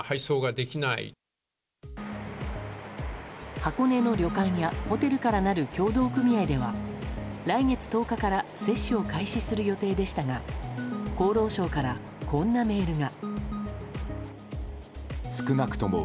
箱根の旅館やホテルからなる協同組合では来月１０日から接種を開始する予定でしたが厚労省からこんなメールが。